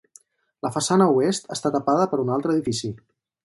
La façana oest està tapada per un altre edifici.